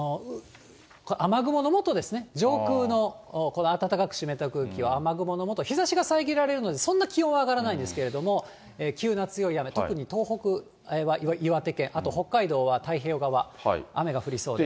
雨雲のもとですね、上空のこの暖かく湿った空気は、雨雲のもと、日ざしが遮られるので、そんな気温は上がらないんですけど、急な強い雨、特に東北、岩手県、あと北海道は太平洋側、雨が降りそうです。